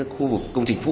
khu vực công trình phụ